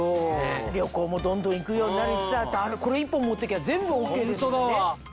旅行もどんどん行くようになるしさこれ一本持ってきゃ全部ＯＫですもんね。